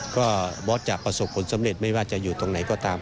ก็บอสจะประสบผลสำเร็จไม่ว่าจะอยู่ตรงไหนก็ตาม